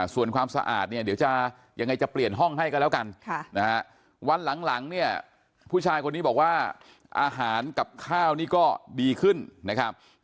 ส่วนความสะอาดเนี่ยเดี๋ยวจะยังไงจะเปลี่ยนห้องให้ก็แล้วกันวันหลังเนี่ยผู้ชายคนนี้บอกว่าอาหารกับข้าวนี่ก็ดีขึ้นนะครับ